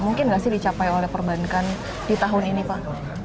mungkin nggak sih dicapai oleh perbankan di tahun ini pak